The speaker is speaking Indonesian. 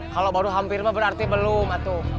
kalau baru hampir berarti belum atu